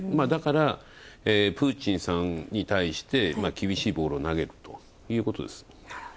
だから、プーチンさんに対して厳しいボールを投げるということです。